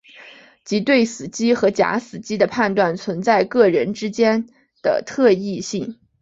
即对死机和假死机的判断存在各人间的特异性。